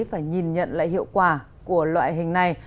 phải nhìn nhận lại hiệu quả của loại hình này